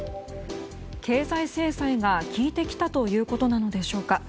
経済制裁が効いてきたということなのでしょうか。